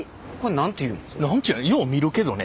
何ていうよう見るけどね